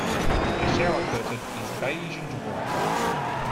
The shower curtain is beige and white.